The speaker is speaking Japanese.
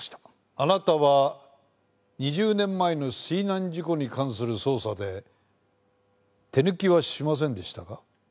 あなたは２０年前の水難事故に関する捜査で手抜きはしませんでしたか？